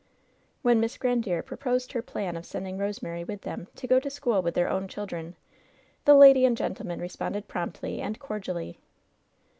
When Miss Grandiere proposed her plan of sending Rosemary with them, to go to school with their own children, the lady and gentleman responded promptly and cordially.